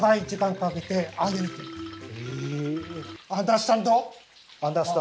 アンダースタンド。